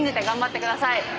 「頑張ってください！」